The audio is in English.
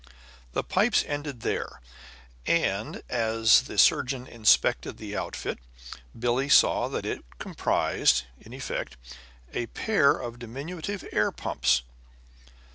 The pipes ended there. And as the surgeon inspected the outfit Billie saw that it comprised, in effect, a pair of diminutive air pumps.